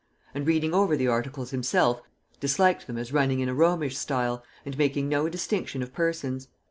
And reading over the articles himself, disliked them as running in a Romish style, and making no distinction of persons.